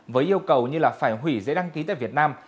với yêu cầu như là phải hủy dễ đăng ký tại việt nam